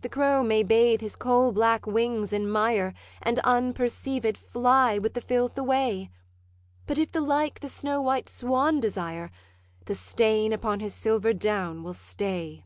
'The crow may bathe his coal black wings in mire, And unperceived fly with the filth away; But if the like the snow white swan desire, The stain upon his silver down will stay.